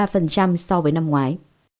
các tỷ đô giảm một mươi ba so với năm ngoái